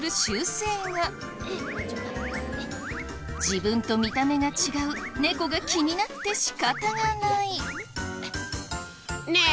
自分と見た目が違う猫が気になって仕方がない。